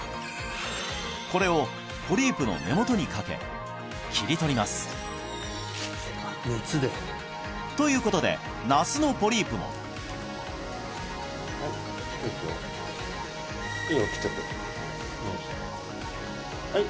これをポリープの根元にかけ切り取りますということで那須のポリープもいいよ切っちゃってはい